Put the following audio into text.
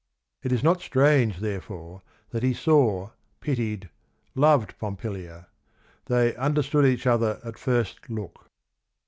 It is not strange, therefore, that he "saw, pitied, loved Pompilia." They "understood each other at first look."